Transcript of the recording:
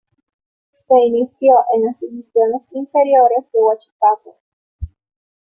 Se inició en las divisiones inferiores de Huachipato.